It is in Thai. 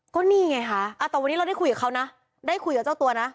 ก็นี่ไงคะแต่วันนี้เราได้คุยกับเขานะได้คุยกับเจ้าตัวนะ